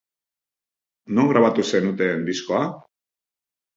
Non grabatu zenuten diskoa?